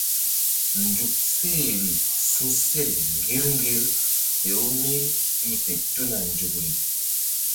Nzuk sehri su̧sel ŋgir ŋgir fe-u mí i fe tuna nzukri.